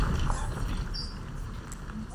Se encuentra al lado del Parque nacional Zion.